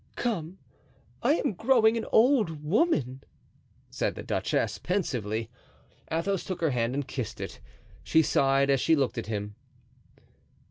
"Come, I am growing an old woman!" said the duchess, pensively. Athos took her hand and kissed it. She sighed, as she looked at him.